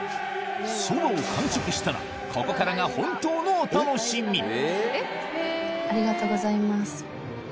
そばを完食したらここからが本当のお楽しみありがとうございます。